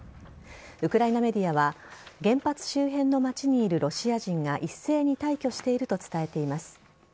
ウクライナメディアは原発周辺の街にいるロシア人が一斉に退去していると伝えています。